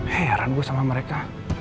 heran gue sama mereka